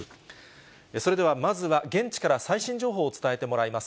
それではまずは、現地から最新情報を伝えてもらいます。